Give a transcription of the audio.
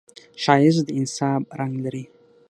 ښایست د انصاف رنګ لري